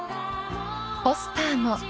［ポスターも］